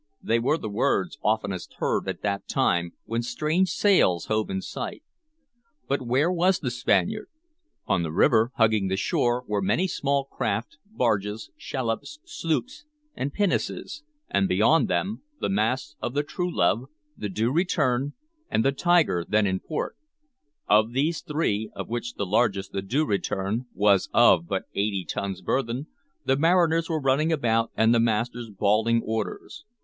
They were the words oftenest heard at that time, when strange sails hove in sight. But where was the Spaniard? On the river, hugging the shore, were many small craft, barges, shallops, sloops, and pinnaces, and beyond them the masts of the Truelove, the Due Return, and the Tiger, then in port; on these three, of which the largest, the Due Return, was of but eighty tons burthen, the mariners were running about and the masters bawling orders.